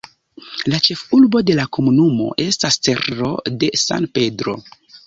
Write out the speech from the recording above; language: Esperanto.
La ĉefurbo de la komunumo estas Cerro de San Pedro.